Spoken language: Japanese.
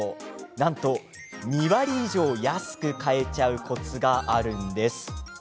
なんと２割以上安く買えちゃうコツがあるんです。